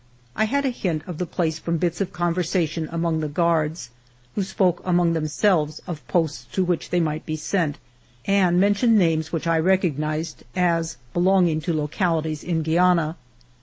I had a hint of the place from bits of conversation among the guards, who spoke among themselves of posts to which they might be sent, and mentioned names which I recognized as belonging to localities in Guiana.